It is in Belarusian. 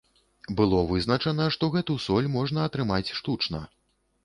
Было вызначана, што гэту соль можна атрымаць штучна.